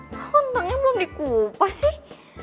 kok kentangnya belum dikupas sih